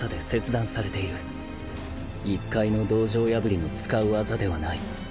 一介の道場破りの使う技ではない